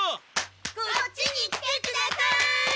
こっちに来てください！